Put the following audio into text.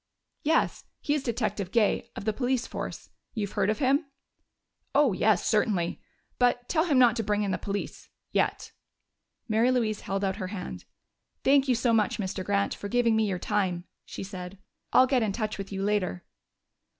"Yes. He is Detective Gay, of the police force. You've heard of him?" "Oh, yes, certainly. But tell him not to bring in the police yet." Mary Louise held out her hand. "Thank you so much, Mr. Grant, for giving me your time," she said. "I'll get in touch with you later."